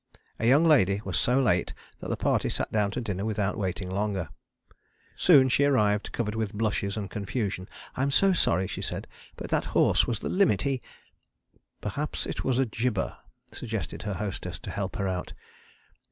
A young lady was so late that the party sat down to dinner without waiting longer. Soon she arrived covered with blushes and confusion. "I'm so sorry," she said, "but that horse was the limit, he ..." "Perhaps it was a jibber," suggested her hostess to help her out.